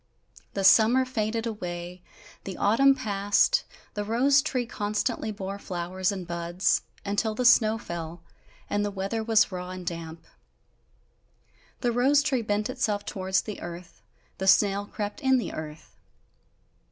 The summer faded away, the autumn passed, the rose tree constantly bore flowers and buds, until the snow fell, and the weather was raw and damp. The rose tree bent itself towards the earth, the snail crept in the earth.